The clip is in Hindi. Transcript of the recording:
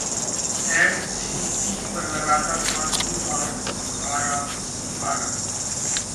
एमसीजी पर लगातार पांचवीं बार हारा भारत